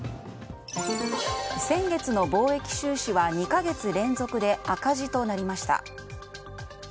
先月の貿易収支は２か月連続で赤字となりました。